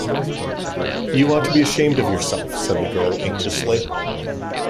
You ought to be ashamed of yourself! said the girl, anxiously.